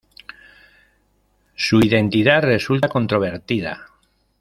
Su identidad resulta controvertida.